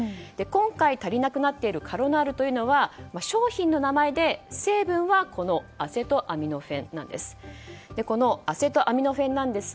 今回、足りなくなっているカロナールは商品の名前で、成分はアセトアミノフェンなんです。